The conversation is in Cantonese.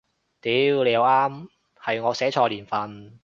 屌你又啱，係我寫錯年份